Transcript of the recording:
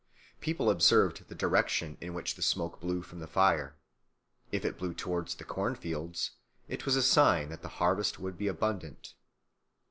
People observed the direction in which the smoke blew from the fire. If it blew towards the corn fields, it was a sign that the harvest would be abundant.